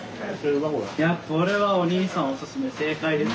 いやこれはおにいさんおすすめ正解です。